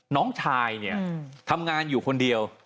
น้องชายทำงานอยู่คนเดียว